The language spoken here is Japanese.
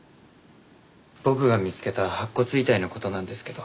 僕が見つけた白骨遺体の事なんですけど。